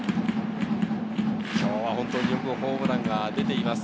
今日は本当によくホームランが出ています。